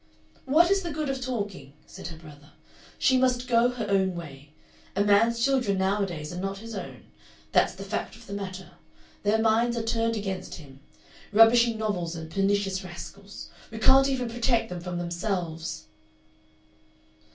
"What is the good of talking?" said her brother. "She must go her own way. A man's children nowadays are not his own. That's the fact of the matter. Their minds are turned against him.... Rubbishy novels and pernicious rascals. We can't even protect them from themselves."